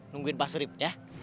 jangan maksud ya